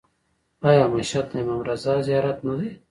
آیا مشهد د امام رضا زیارت نه دی؟